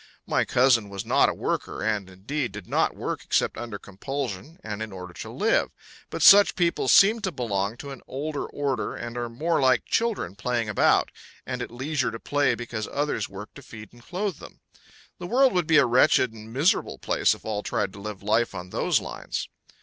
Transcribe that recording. My cousin was not a worker, and, indeed, did no work except under compulsion and in order to live; but such people seem to belong to an older order, and are more like children playing about, and at leisure to play because others work to feed and clothe them. The world would be a wretched and miserable place if all tried to live life on those lines.